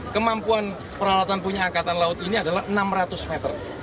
kemampuan peralatan punya angkatan laut ini adalah enam ratus meter